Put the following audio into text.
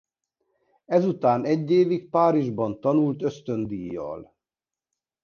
Ezután egy évig Párizsban tanult ösztöndíjjal.